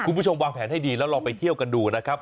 คุณผู้ชมวางแผนให้ดีแล้วลองไปเที่ยวกันดูนะครับ